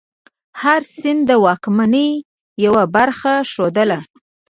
هر سند د واکمنۍ یوه برخه ښودله.